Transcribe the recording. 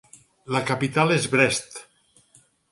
La capital és Brest.